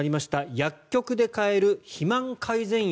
薬局で買える肥満改善薬